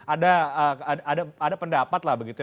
ada pendapat lah begitu